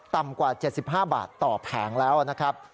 กว่า๗๕บาทต่อแผงแล้วนะครับ